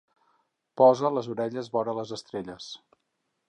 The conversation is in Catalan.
Posa les orelles vora les estrelles.